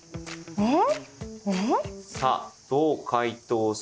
えっ！